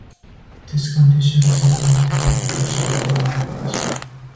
This condition is inherited in an autosomal dominant fashion.